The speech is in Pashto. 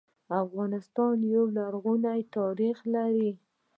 افغانستان يو لرغونی تاريخ لري